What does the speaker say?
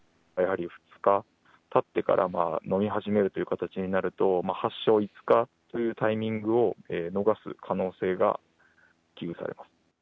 やはり２日たってから飲み始めるという形になると、発症５日というタイミングを逃す可能性が危惧されます。